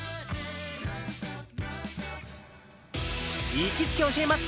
行きつけ教えます！